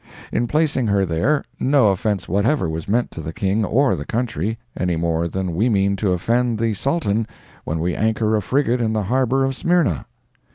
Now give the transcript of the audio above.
In placing her there, no offence whatever was meant to the King or the country, any more than we mean to offend the Sultan when we anchor a frigate in the harbor of Smyrna.